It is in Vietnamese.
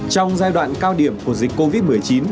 trong giai đoạn cao điểm của dịch covid một mươi chín